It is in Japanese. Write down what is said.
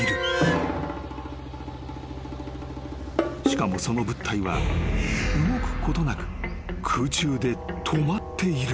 ［しかもその物体は動くことなく空中で止まっている］